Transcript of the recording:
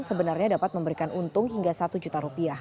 sebenarnya dapat memberikan untung hingga rp satu juta